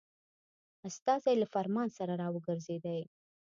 استازی له فرمان سره را وګرځېدی.